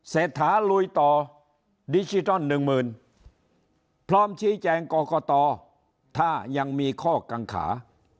เศรษฐาลุยต่อดิจิตอลหนึ่งหมื่นพร้อมชี้แจงกรกตถ้ายังมีข้อกังขา